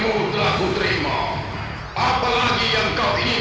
apa lagi yang kau inginkan